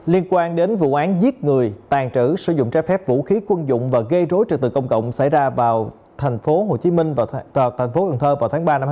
liên quan đến vụ án giết người tàn trữ sử dụng trái phép vũ khí quân dụng và gây rối trật tự công cộng xảy ra vào thành phố hồ chí minh và thành phố ấn thơ vào tháng ba năm hai nghìn hai mươi một